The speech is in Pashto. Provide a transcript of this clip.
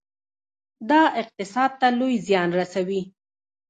دا اقتصاد ته لوی زیان رسوي.